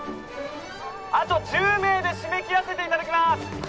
あと１０名で締め切らせていただきます。